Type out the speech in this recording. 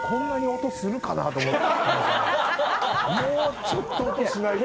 もうちょっと音しないと。